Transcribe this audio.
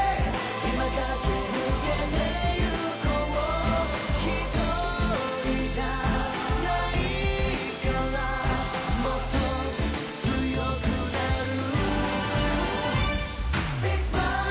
今駆け抜けていこう一人じゃないからもっと、強くなるＢｉｇｓｍｉｌｅ！